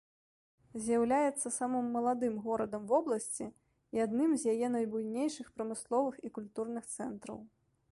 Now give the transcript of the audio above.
З'яўляецца самым маладым горадам вобласці і адным з яе найбуйнейшых прамысловых і культурных цэнтраў.